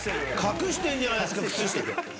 隠してるじゃないですか。